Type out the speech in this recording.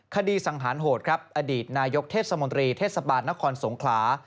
สังหารโหดครับอดีตนายกเทศมนตรีเทศบาลนครสงขลา